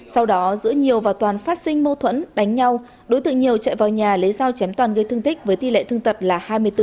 sau đó giữa nhiều và toàn phát sinh mâu thuẫn đánh nhau đối tượng nhiều chạy vào nhà lấy dao chém toàn gây thương tích với tỷ lệ thương tật là hai mươi bốn